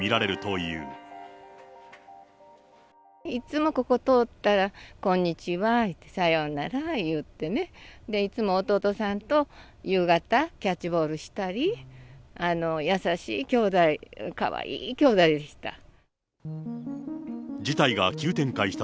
いつもここ通ったら、こんにちは、さようなら言うてね、いつも弟さんと夕方、キャッチボールしたり、優しい兄弟、かわいい兄弟でした。